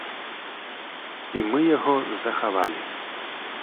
І мы яго захавалі.